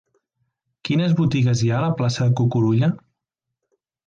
Quines botigues hi ha a la plaça de Cucurulla?